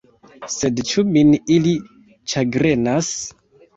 Sed ĉu Min ili ĉagrenas?